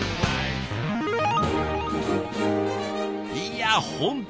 いや本当